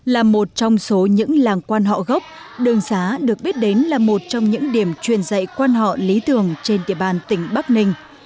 là một trong số những làng quan họ gốc đường xá được biết đến là một trong những điểm truyền dạy quan họ lý tưởng trên địa bàn tỉnh bắc ninh